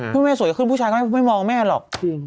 แม่สวยขึ้นผู้ชายก็ไม่มองแม่หรอก